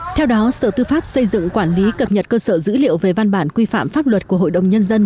theo đó sở tư pháp xây dựng quản lý cập nhật cơ sở dữ liệu về văn bản quy phạm pháp luật của hội đồng nhân dân